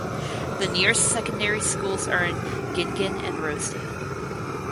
The nearest secondary schools are in Gin Gin and Rosedale.